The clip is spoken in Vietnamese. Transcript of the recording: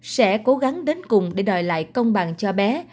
sẽ cố gắng đến cùng để đòi lại công bằng cho bé